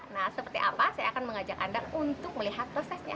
nah seperti apa saya akan mengajak anda untuk melihat prosesnya